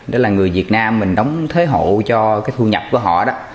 đó là người việt nam mình đóng thuế hộ cho cái thu nhập của họ đó